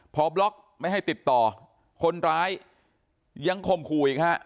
พอบล็อกไม่ให้ติดต่อคนร้ายยังข่มขู่อีกฮะ